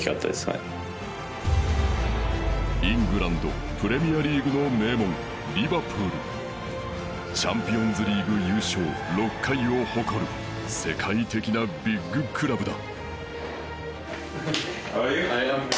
はいイングランドプレミアリーグの名門リバプールチャンピオンズリーグ優勝６回を誇る世界的なビッグクラブだ